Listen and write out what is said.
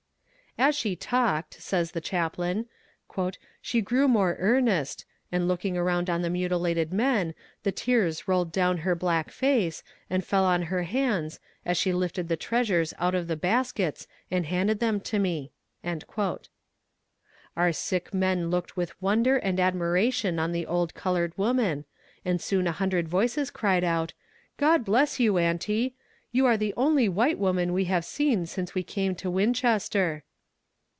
"As she talked," says the chaplain, "she grew more earnest, and looking around on the mutilated men the tears rolled down her black face, and fell on her hands, as she lifted the treasures out of the baskets and handed them to me." Our sick men looked with wonder and admiration on the old colored woman, and soon a hundred voices cried out "God bless you, aunty! You are the only white woman we have seen since we came to Winchester."